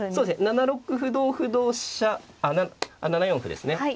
７六歩同歩同飛車あっ７四歩ですね。